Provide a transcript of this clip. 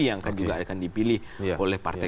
yang juga akan dipilih oleh partai